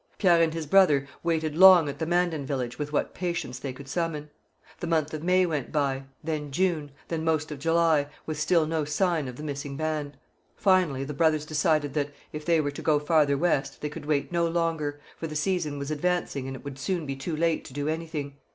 Pierre and his brother waited long at the Mandan village with what patience they could summon. The month of May went by, then June, then most of July, with still no sign of the missing band. Finally the brothers decided that, if they were to go farther west, they could wait no longer, for the season was advancing and it would soon be too late to do anything.